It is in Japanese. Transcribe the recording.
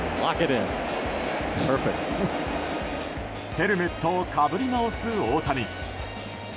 ヘルメットをかぶり直す大谷。